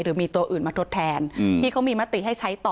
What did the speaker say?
หรือมีตัวอื่นมาทดแทนที่เขามีมติให้ใช้ต่อ